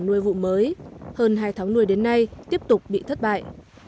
nuôi vụ mới hơn hai tháng nuôi đến nay tiếp tục bị thất bại